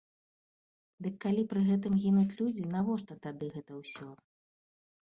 Дык калі пры гэтым гінуць людзі, навошта тады гэта ўсё?